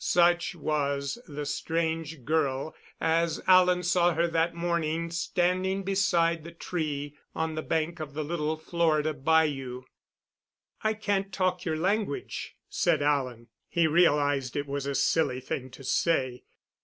Such was the strange girl as Alan saw her that morning standing beside the tree on the bank of the little Florida bayou. "I can't talk your language," said Alan. He realized it was a silly thing to say.